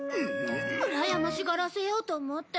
うらやましがらせようと思って。